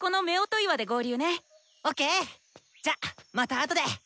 じゃまたあとで。